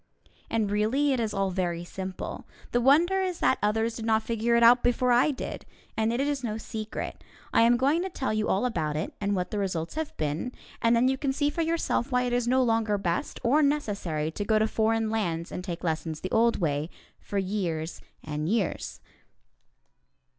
And, really, it is all very simple. The wonder is that others did not figure it out before I did. And it is no secret. I am going to tell you all about it, and what the results have been, and then you can see for yourself why it is no longer best or necessary to go to foreign lands and take lessons the old way, for years and years.